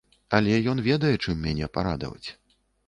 Але ён ведае, чым мяне парадаваць.